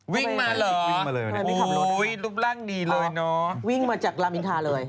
วิ่งมาเหรอโอ้โฮรูปร่างดีเลยเนอะวิ่งมาจากรามินทราเลย